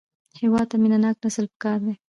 هېواد ته مینهناک نسل پکار دی